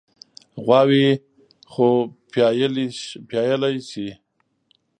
غواوې خو پيايلی شي.